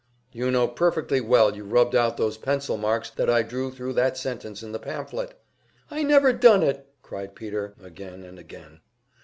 "You know perfectly well you rubbed out those pencil marks that I drew through that sentence in the pamphlet." "I never done it!" cried Peter, again and again.